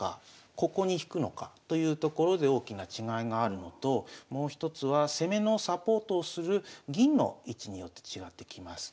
ここに引くのかというところで大きな違いがあるのともう一つは攻めのサポートをする銀の位置によって違ってきます。